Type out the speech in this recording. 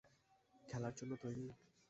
খেলার জন্য তৈরি?